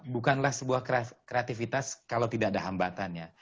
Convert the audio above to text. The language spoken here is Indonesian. bukanlah sebuah kreatifitas kalau tidak ada hambatannya